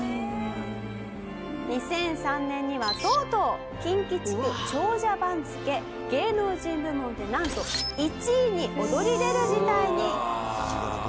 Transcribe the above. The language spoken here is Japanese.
「２００３年にはとうとう近畿地区長者番付芸能人部門でなんと１位に躍り出る事態に」